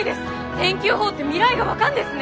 天気予報って未来が分かんですね！